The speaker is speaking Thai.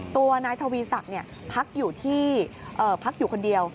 ตัวนายทวีศักดิ์พักอยู่ที่พักอยู่คนเดียว